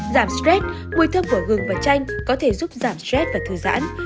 giảm stress mùi thơm của gừng và chanh có thể giúp giảm stress và thư giãn